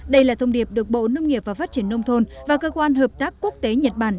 đây là thông điệp được bộ nông nghiệp và phát triển nông thôn và cơ quan hợp tác quốc tế nhật bản